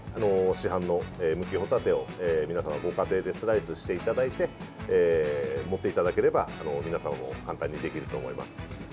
市販のむきホタテを皆様、ご家庭でスライスしていただいて盛っていただければ、皆さんも簡単にできると思います。